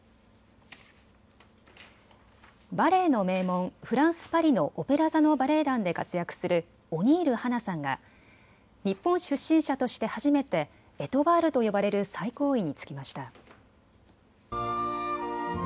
バレエの名門、フランス・パリのオペラ座のバレエ団で活躍するオニール八菜さんが日本出身者として初めてエトワールと呼ばれる最高位に就きました。